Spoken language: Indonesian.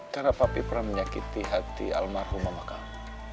karena papi pernah menyakiti hati almarhum mama kamu